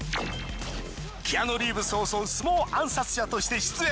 キアヌ・リーブスを襲う相撲暗殺者として出演。